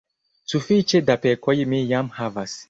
sufiĉe da pekoj mi jam havas.